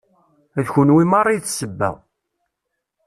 D kunwi merra i d ssebba.